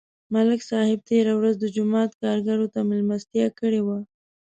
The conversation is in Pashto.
ملک صاحب تېره ورځ د جومات کارګرو ته مېلمستیا کړې وه